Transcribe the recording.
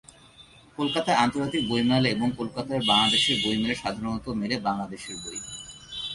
কলকাতার আন্তর্জাতিক বইমেলা এবং কলকাতার বাংলাদেশের বইমেলায় সাধারণত মেলে বাংলাদেশের বই।